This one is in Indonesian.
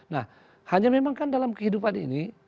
nah hanya memang kan dalam kehidupan ini